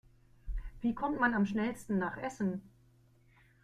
Wie kommt man am schnellsten nach Essen?